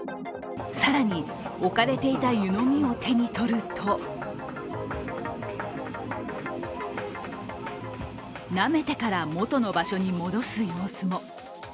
更に、置かれていた湯飲みを手にとるとなめてから元の場所に戻す様子も。